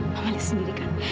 mama lihat sendiri kan